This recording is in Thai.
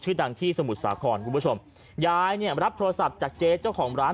ดังที่สมุทรสาครคุณผู้ชมยายเนี่ยรับโทรศัพท์จากเจ๊เจ้าของร้าน